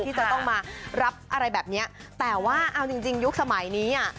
ที่จะต้องมารับอะไรแบบเนี้ยแต่ว่าเอาจริงจริงยุคสมัยนี้อ่ะ